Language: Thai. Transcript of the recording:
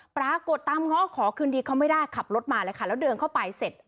ปรากฏตามง้อขอคืนดีเขาไม่ได้ขับรถมาเลยค่ะแล้วเดินเข้าไปเสร็จ